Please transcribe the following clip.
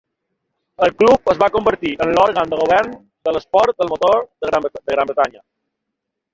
El club es va convertir en l'òrgan de govern de l'esport del motor a Gran Bretanya.